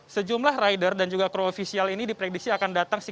sejumlah rider dan juga kru ofisial ini diprediksi akan datang